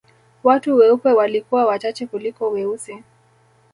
Watu weupe walikuwa wachache kuliko weusi